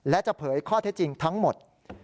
และจะเผยข้อเท็จจริงทั้งหมด